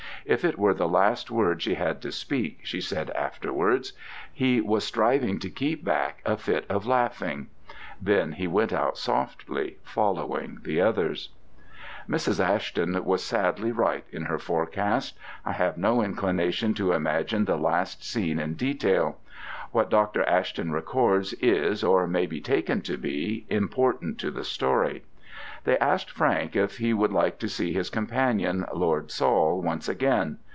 If it were the last words she had to speak, she said afterwards, he was striving to keep back a fit of laughing. Then he went out softly, following the others. Mrs. Ashton was sadly right in her forecast. I have no inclination to imagine the last scene in detail. What Dr. Ashton records is, or may be taken to be, important to the story. They asked Frank if he would like to see his companion, Lord Saul, once again.